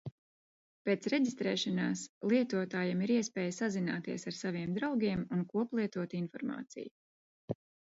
Pēc reģistrēšanās lietotājam ir iespēja sazināties ar saviem draugiem un koplietot informāciju.